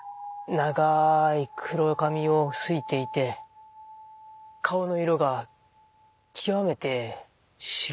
長い黒髪をすいていて顔の色が極めて白くてですね。